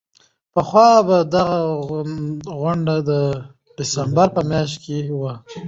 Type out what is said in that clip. پخوا به دا غونډه د ډسمبر په میاشت کې وه.